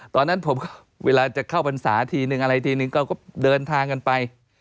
ตอนนั้นผมเวลาจะเข้าปรรุษศาสตร์ทีหนึ่งอะไรก็เดินทางกันไป